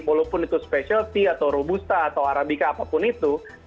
walaupun itu specialty atau robusta atau arabica apapun itu